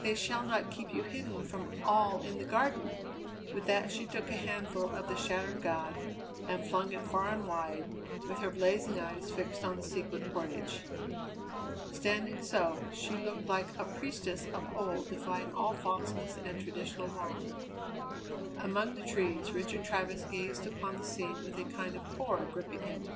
They shall not keep you hidden from all in the Garden!" With that she took a handful of the shattered god and flung it far and wide, with her blazing eyes fixed on the Secret Portage. Standing so, she looked like a priestess of old defying all falseness and traditional wrong. Among the trees Richard Travers gazed upon the scene with a kind of horror gripping him.